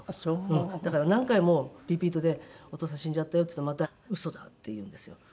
だから何回もリピートで「お父さん死んじゃったよ」って言うとまた「嘘だ」って言うんですよ。